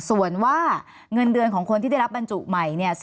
ส่วนว่าเงินเดือนของคนที่ได้รับบรรจุใหม่เนี่ย